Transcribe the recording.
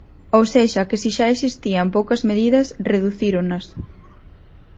Ou sexa que si xa existían poucas medidas, reducíronas.